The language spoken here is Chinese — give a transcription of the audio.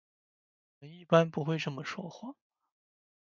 我们一般不会这么说话。